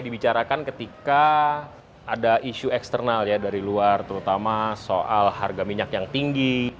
dibicarakan ketika ada isu eksternal ya dari luar terutama soal harga minyak yang tinggi